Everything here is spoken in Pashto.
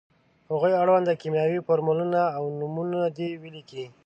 هغو اړوند کیمیاوي فورمولونه او نومونه دې ولیکي.